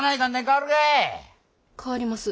変わります。